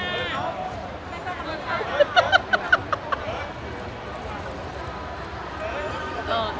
เอาเรื่องต่อไป